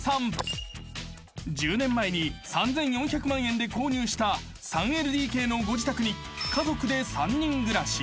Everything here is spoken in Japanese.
［１０年前に３，４００万円で購入した３ＬＤＫのご自宅に家族で３人暮らし］